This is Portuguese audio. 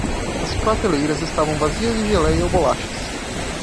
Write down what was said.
As prateleiras estavam vazias de geléia ou bolachas.